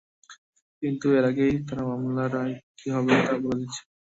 কিন্তু এর আগেই তাঁরা মামলার রায় কী হবে, তা বলে দিচ্ছেন।